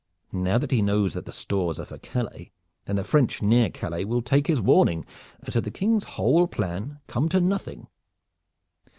Now that he knows that the stores are for Calais, then the French near Calais will take his warning, and so the King's whole plan come to nothing."